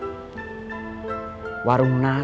seperti yang jualan pakaian